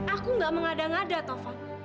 aku gak mengada ngada tova